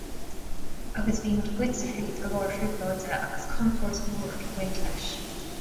Agus bhí muid goite thríd go leor trioblóide agus contúirt mhór ag baint leis.